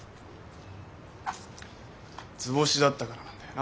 図星だったからなんだよな。